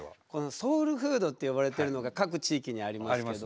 「ソウルフード」と呼ばれてるのが各地域にありますけど。